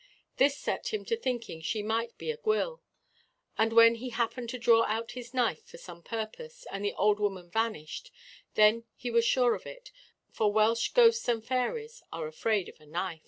This set him to thinking she might be a gwyll; and when he happened to draw out his knife for some purpose, and the Old Woman vanished, then he was sure of it; for Welsh ghosts and fairies are afraid of a knife.